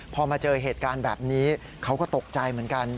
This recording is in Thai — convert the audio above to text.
พอมาเจอเหตุการณ์แบบนี้เขาก็ตกใจเหมือนกัน